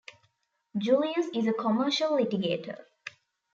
Julius is a commercial litigator.